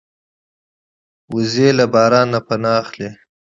وزې له باران نه پناه اخلي